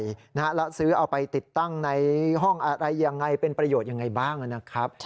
แล้วซื้อเอาไปติดตั้งในห้องอะไรยังไงเป็นประโยชน์ยังไงบ้างนะครับ